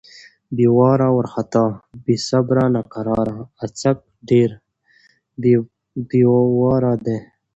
بې واره، وارختا= بې صبره، ناقراره. اڅک ډېر بې واره دی.